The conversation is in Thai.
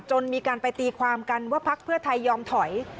มีการไปตีความกันว่าพักเพื่อไทยยอมถอย